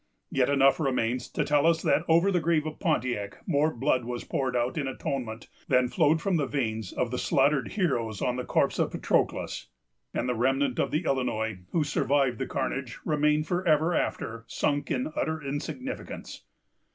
Yet enough remains to tell us that over the grave of Pontiac more blood was poured out in atonement, than flowed from the veins of the slaughtered heroes on the corpse of Patroclus; and the remnant of the Illinois who survived the carnage remained for ever after sunk in utter insignificance.